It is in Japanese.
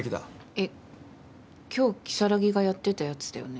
えっ今日如月がやってたやつだよね？